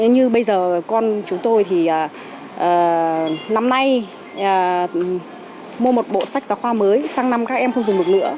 như bây giờ con chúng tôi thì năm nay mua một bộ sách giáo khoa mới sang năm các em không dùng được nữa